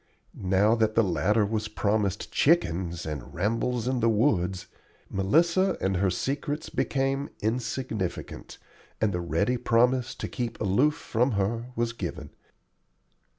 Now that the latter was promised chickens, and rambles in the woods, Melissa and her secrets became insignificant, and the ready promise to keep aloof from her was given.